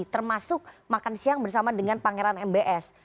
termasuk makan siang bersama dengan pangeran mbs